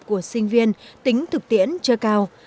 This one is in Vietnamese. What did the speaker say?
của sinh viên tính thực tiễn chưa cao